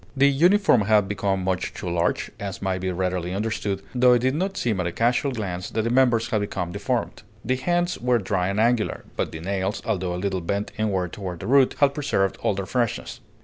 The uniform had become much too large, as may be readily understood, though it did not seem at a casual glance that the members had become deformed. The hands were dry and angular, but the nails, although a little bent inward toward the root, had preserved all their freshness.